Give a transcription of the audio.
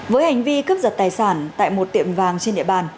với hành vi cướp giật tài sản tại một tiệm vàng trên địa bàn